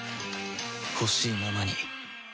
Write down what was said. ほしいままに